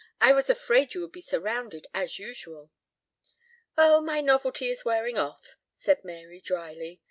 I was afraid you would be surrounded as usual." "Oh, my novelty is wearing off," said Mary drily.